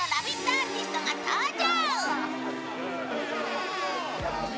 アーティストが登場。